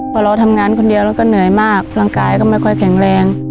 พอเราทำงานคนเดียวเราก็เหนื่อยมากร่างกายก็ไม่ค่อยแข็งแรง